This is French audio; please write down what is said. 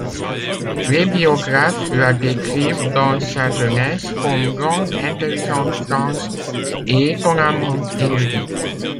Les biographes la décrivent, dans sa jeunesse, comme grande, intelligente, franche et étonnamment érudite.